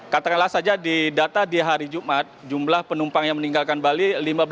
katakanlah saja di data di hari jumat jumlah penumpang yang meninggalkan bali lima belas